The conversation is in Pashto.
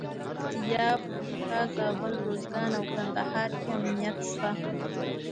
پکتیا، پکتیکا، زابل، روزګان او کندهار کې امنیت شته.